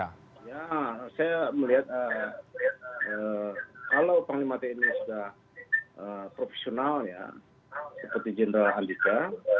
ya saya melihat kalau panglima tni sudah profesional ya seperti jenderal andika